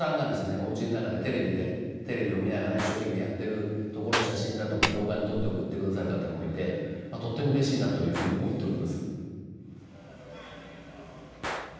おうちの中でテレビでテレビを見ながら一生懸命やっているところを写真だとか動画に撮って送ってくださる方もいてとってもうれしいなというふうに思っております。